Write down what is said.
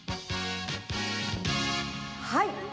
はい！